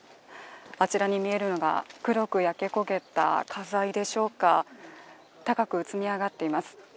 あちらに見えるのが黒く焼け焦げた家財でしょうか高く積みあがっています。